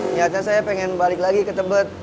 nyata saya pengen balik lagi ke tebet